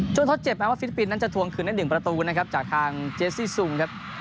ทดเจ็บแม้ว่าฟิลิปปินส์นั้นจะทวงคืนได้๑ประตูนะครับจากทางเจสซี่ซุงครับ